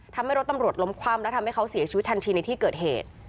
ทำให้รถตำรวจล้มคว่ำและทำให้เขาเสียชีวิตทันทีในที่เกิดเหตุ